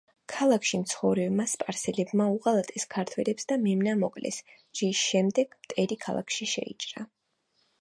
ქალაქში მცხოვრებმა სპარსელებმა უღალატეს ქართველებს და მემნა მოკლეს, რის შემდეგ მტერი ქალაქში შეიჭრა.